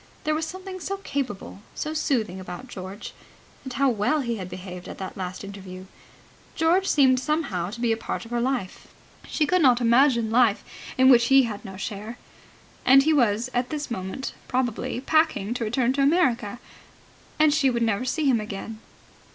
There was something so capable, so soothing about George. And how well he had behaved at that last interview. George seemed somehow to be part of her life. She could not imagine a life in which he had no share. And he was at this moment, probably, packing to return to America, and she would never see him again.